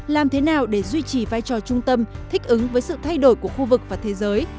làm thế nào để duy trì vai trò trung tâm thích ứng với sự thay đổi của khu vực và thế giới